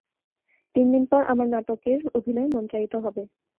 তিনদিন পর আমার নাটকের অভিনয় মঞ্চায়িতে হবে।